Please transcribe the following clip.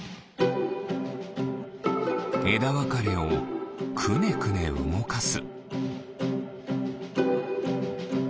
えだわかれをくねくねうごかす。